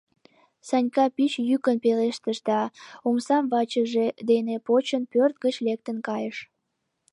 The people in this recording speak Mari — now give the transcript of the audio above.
— Санька пич йӱкын пелештыш да, омсам вачыже дене почын, пӧрт гыч лектын кайыш.